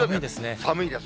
寒いです。